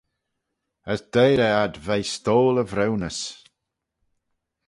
As deiyr eh ad veih stoyl y vriwnys.